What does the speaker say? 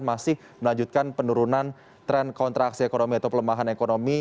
dan masih melanjutkan penurunan tren kontraksi ekonomi atau pelemahan ekonomi